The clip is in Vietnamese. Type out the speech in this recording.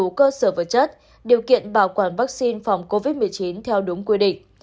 đủ cơ sở vật chất điều kiện bảo quản vaccine phòng covid một mươi chín theo đúng quy định